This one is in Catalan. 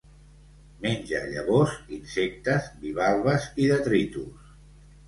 Menja llavors, insectes, bivalves i detritus.